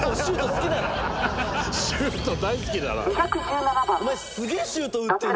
シュート大好きだな。